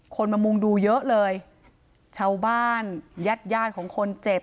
คนมามุงดูเยอะเลยชาวบ้านญาติญาติของคนเจ็บ